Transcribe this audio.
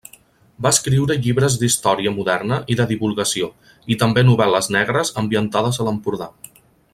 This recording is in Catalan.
Va escriure llibres d'història moderna i de divulgació i també novel·les negres ambientades a l'Empordà.